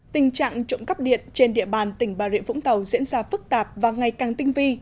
tình trạng trộm cắp điện trên địa bàn tỉnh bà rịa vũng tàu diễn ra phức tạp và ngày càng tinh vi